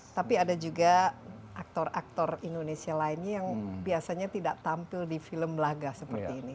tapi ada juga aktor aktor indonesia lainnya yang biasanya tidak tampil di film laga seperti ini